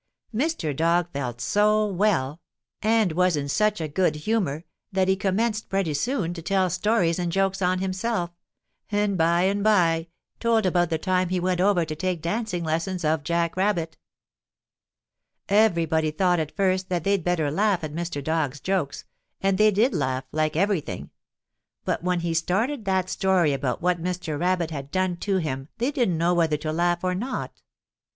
Mr. Dog felt so well and was in such a good humor that he commenced pretty soon to tell stories and jokes on himself, and by and by told about the time he went over to take dancing lessons of Jack Rabbit. [Illustration: HE SET OUT FOR HOME.] Everybody thought at first that they'd better laugh at Mr. Dog's jokes, and they did laugh like everything, but when he started that story about what Mr. Rabbit had done to him they didn't know whether to laugh or not.